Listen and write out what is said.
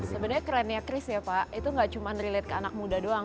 sebenarnya kerennya chris ya pak itu gak cuma relate ke anak muda doang